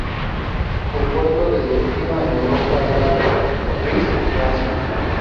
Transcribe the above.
El puerto de destino en Europa era Brest, Francia.